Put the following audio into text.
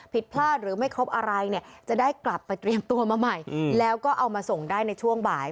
ผิดพลาดหรือไม่ครบอะไรเนี่ยจะได้กลับไปเตรียมตัวมาใหม่แล้วก็เอามาส่งได้ในช่วงบ่าย